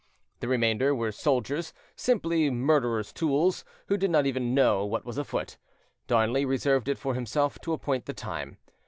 The remainder were soldiers, simple murderers' tools, who did not even know what was afoot. Darnley reserved it for himself to appoint the time.